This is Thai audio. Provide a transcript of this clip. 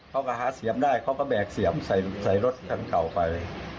เขาก็หาเสียงได้เขาก็แบกเสียมใส่รถคันเก่าไป